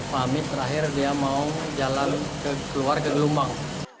pamit terakhir dia mau jalan keluar ke gelombang